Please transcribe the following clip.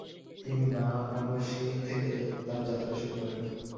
তিনি বারাণসী থেকে তার যাত্রা শুরু করেন।